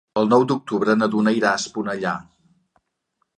El nou d'octubre na Duna irà a Esponellà.